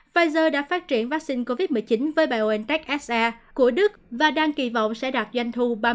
pfizer đã phát triển vaccine covid một mươi chín với biontech se của đức và đang kỳ vọng sẽ đạt doanh thu